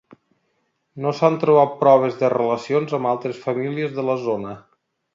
No s'han trobat proves de relacions amb altres famílies de la zona.